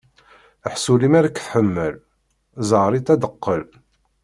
Ḥṣu lemmer i k-tḥemmel, ẓẓeɛ-itt ad d-teqqel.